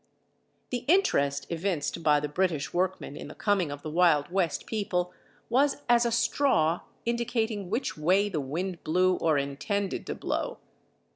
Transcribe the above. The interest evinced by the British workmen in the coming of the Wild West people was as a straw indicating which way the wind blew, or intended to blow.